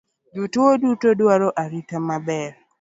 Jotuo duto dwaro arita maber